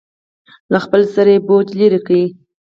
له خپل سره یې بوج لرې کړ.